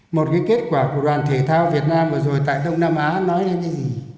một kết quả của đoàn thể thao việt nam vừa rồi tại đông nam á nói là gì